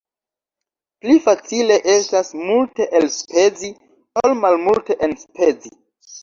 Pli facile estas multe elspezi, ol malmulte enspezi.